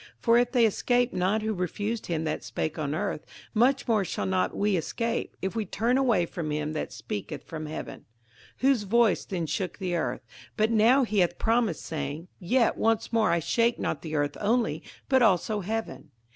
For if they escaped not who refused him that spake on earth, much more shall not we escape, if we turn away from him that speaketh from heaven: 58:012:026 Whose voice then shook the earth: but now he hath promised, saying, Yet once more I shake not the earth only, but also heaven.